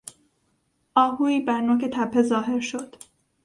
آهویی بر نوک تپه ظاهر شد.